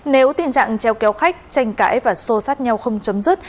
nếu tình trạng treo kéo khách tranh cãi và xô sát nhau không chấm dứt